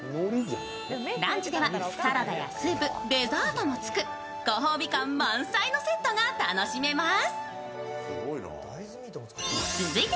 ランチではサラダやスープ、デザートもつくご褒美感満載のセットが楽しめます。